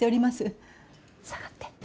下がって。